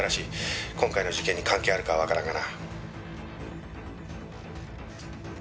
今回の事件に関係あるかはわからんがな。